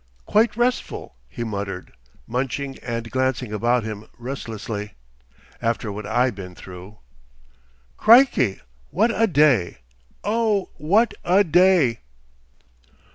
"Quite restful," he muttered, munching and glancing about him restlessly, "after what I been through. "Crikey! WOT a day! Oh! WOT a day!"